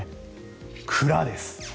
蔵です。